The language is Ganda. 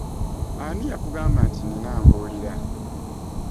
Ani yakugamba nti nnina ambuulira?